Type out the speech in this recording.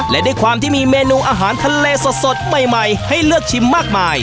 และด้วยความที่มีเมนูอาหารทะเลสดใหม่ให้เลือกชิมมากมาย